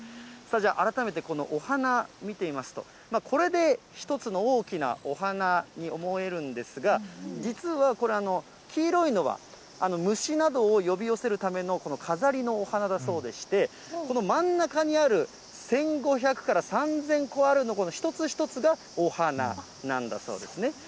じゃあ、改めてこのお花見てみますと、これで一つの大きなお花に思えるんですが、実はこれ、黄色いのは虫などを呼び寄せるためのこの飾りのお花だそうでして、この真ん中にある１５００から３０００個ある一つ一つがお花なんだそうですね。